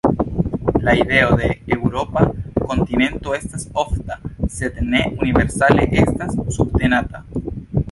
La ideo de eŭropa "kontinento" estas ofta, sed ne universale estas subtenata.